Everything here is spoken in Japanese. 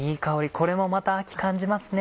これもまた秋感じますね。